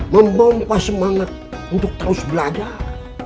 membompah semangat untuk terus belajar